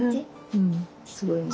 うんすごいね。